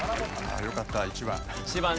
あよかった１番。